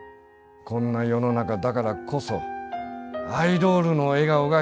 こんな世の中だからこそアイドールの笑顔が必要なんだよ。